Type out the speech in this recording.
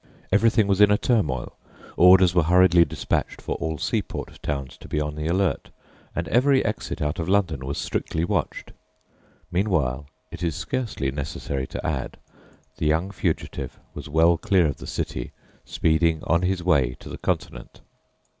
Everything was in a turmoil. Orders were hurriedly dispatched for all seaport towns to be on the alert, and every exit out of London was strictly watched; meanwhile, it is scarcely necessary to add, the young fugitive was well clear of the city, speeding on his way to the Continent.